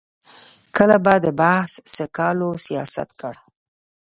کله به د بحث سکالو سیاست کړ.